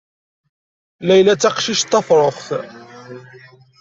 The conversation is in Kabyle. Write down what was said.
Layla d taqcict tafṛuxt.